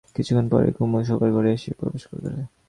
কিছুক্ষণ পরেই কুমু শোবার ঘরে এসে প্রবেশ করলে।